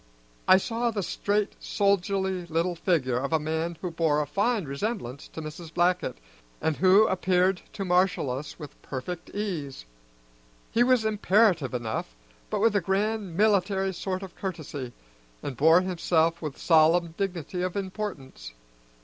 I saw the straight, soldierly little figure of a man who bore a fine resemblance to Mrs. Blackett, and who appeared to marshal us with perfect ease. He was imperative enough, but with a grand military sort of courtesy, and bore himself with solemn dignity of importance.